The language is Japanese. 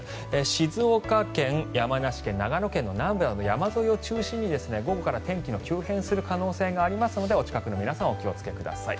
静岡県、山梨県、長野県南部など山沿いを中心に午後から天気が急変する可能性がありますのでお近くの皆さんはお気をつけください。